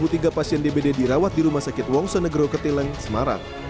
puluhan pasien demam berdarah juga direwati rumah sakit umum daerah rsud kota cimahi